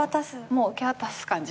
もう受け渡す感じで。